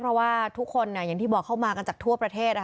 เพราะว่าทุกคนอย่างที่บอกเข้ามากันจากทั่วประเทศ